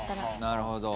なるほど。